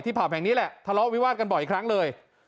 ผับแห่งนี้แหละทะเลาะวิวาดกันบ่อยครั้งเลย